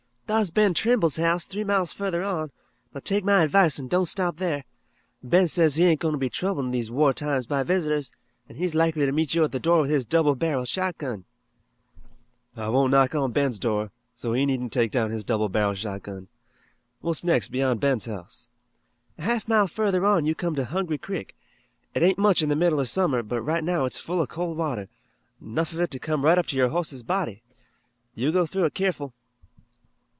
"Thar's Ben Trimble's three miles further on, but take my advice an' don't stop thar. Ben says he ain't goin' to be troubled in these war times by visitors, an' he's likely to meet you at the door with his double barreled shotgun." "I won't knock on Ben's door, so he needn't take down his double barreled shotgun. What's next beyond Ben's house?" "A half mile further on you come to Hungry Creek. It ain't much in the middle of summer, but right now it's full of cold water, 'nough of it to come right up to your hoss's body. You go through it keerful."